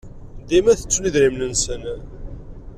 Dima ttettun idrimen-nsen.